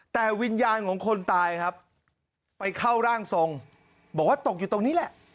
แต่วิญญาณของคนตายครับไปเข้าร่างทรงบอกว่าตกอยู่ตรงนี้แหละ